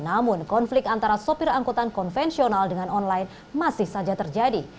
namun konflik antara sopir angkutan konvensional dengan online masih saja terjadi